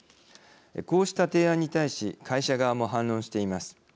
こうした提案に対し会社側も反論しています。